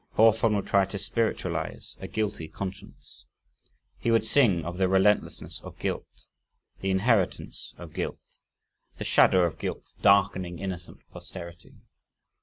Hawthorne would try to spiritualize a guilty conscience. He would sing of the relentlessness of guilt, the inheritance of guilt, the shadow of guilt darkening innocent posterity.